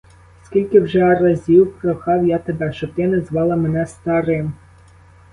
Скільки вже разів прохав я тебе, щоб ти не звала мене старим?